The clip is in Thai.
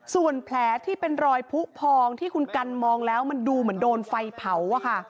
ส่วนแผลที่เป็นรอยผู้พองที่คุณกันมองแล้วมันดูเหมือนโดนไฟเผาอะค่ะ